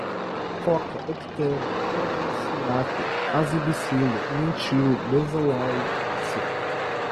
coca, octano, carboxilato, azabiciclo, metil, benzoiloxi